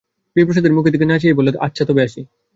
বিপ্রদাসের মুখের দিকে না চেয়েই বললে আচ্ছা, তবে আসি।